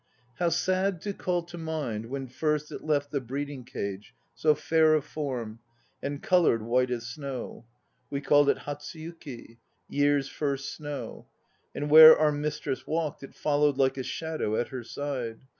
How sad to call to mind When first it left the breeding cage So fair of form And coloured white as snow. We called it Hatsuyuki, "Year's First Snow." And where our mistress walked It followed like a shadow at her side.